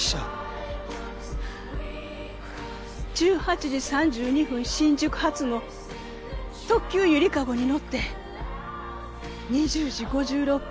１８時３２分新宿発の特急ゆりかごに乗って２０時５６分